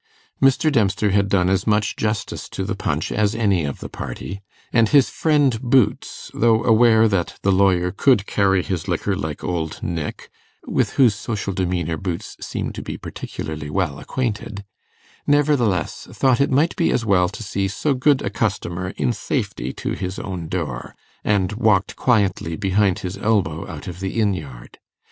Mr. Dempster had done as much justice to the punch as any of the party; and his friend Boots, though aware that the lawyer could 'carry his liquor like Old Nick', with whose social demeanour Boots seemed to be particularly well acquainted, nevertheless thought it might be as well to see so good a customer in safety to his own door, and walked quietly behind his elbow out of the inn yard.